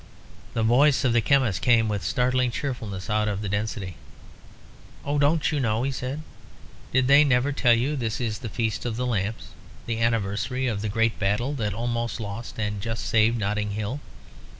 The voice of the chemist came with startling cheerfulness out of the density. "Oh, don't you know?" he said. "Did they never tell you this is the Feast of the Lamps, the anniversary of the great battle that almost lost and just saved Notting Hill?